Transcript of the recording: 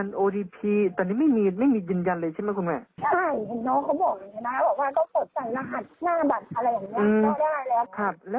บอกว่าต้องกดใส่รหัสหน้าบัตรอะไรอย่างนี้ก็ได้แล้ว